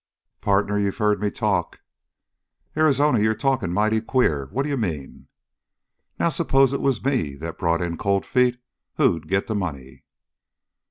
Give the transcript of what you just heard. "Partner, you've heard me talk!" "Arizona, you're talking mighty queer. What d'ye mean?" "Now, suppose it was me that brought in Cold Feet, who'd get the money?"